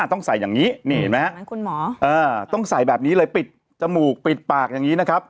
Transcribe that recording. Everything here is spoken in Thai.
ต้องใส่อย่างนี้นี่เห็นไหมฮะเหมือนคุณหมอต้องใส่แบบนี้เลยปิดจมูกปิดปากอย่างนี้นะครับ